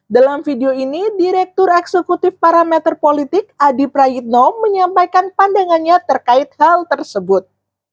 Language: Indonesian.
dalam video ini direktur eksekutif parameter politik adi prayitno menyampaikan pandangannya terkait hal tersebut